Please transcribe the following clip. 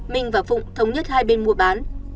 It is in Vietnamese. minh và phụng thống nhất hai bên mua bán